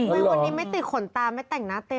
ที่เปิ้ลทำให้หรอล่ะครับมันติดโขนตาไม่แต่งหน้าเต็มครับ